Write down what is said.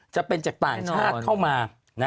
จะเป็นจากต่างชาติเข้ามา